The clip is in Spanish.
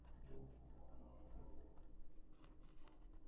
Pero antes de esa fecha tocaba celebrar elecciones presidenciales en Chipre.